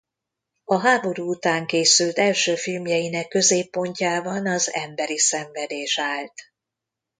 A háború után készült első filmjeinek középpontjában az emberi szenvedés állt.